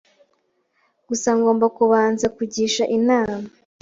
gusa ngomba kubanza kugisha inama